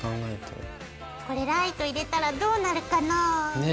これライト入れたらどうなるかな？ね！